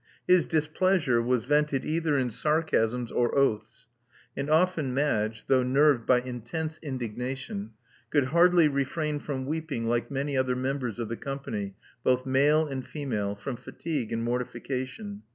His dis pleasure was vented either in sarcasms or oaths; and often Madge, though nerved by intense indignation, could hardly refrain from weeping like many other members of the company, both male and female, from fatigue and mortification.